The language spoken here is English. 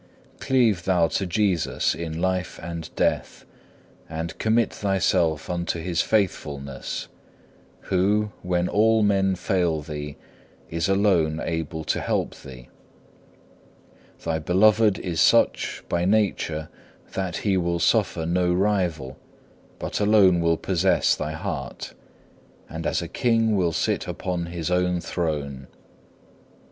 2. Cleave thou to Jesus in life and death, and commit thyself unto His faithfulness, who, when all men fail thee, is alone able to help thee. Thy Beloved is such, by nature, that He will suffer no rival, but alone will possess thy heart, and as a king will sit upon His own throne.